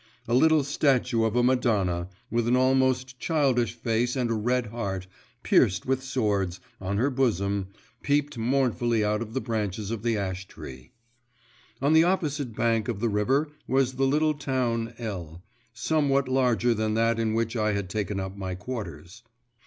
A little statue of a Madonna, with an almost childish face and a red heart, pierced with swords, on her bosom, peeped mournfully out of the branches of the ash tree. On the opposite bank of the river was the little town L., somewhat larger than that in which I had taken up my quarters.